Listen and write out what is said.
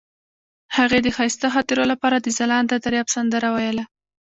هغې د ښایسته خاطرو لپاره د ځلانده دریاب سندره ویله.